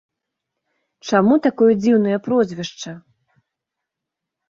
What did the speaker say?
Чаму такое дзіўнае прозвішча?